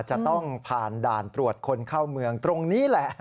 จะต้องผ่านด่านตรวจคนเข้าเมืองตรงนี้แหละ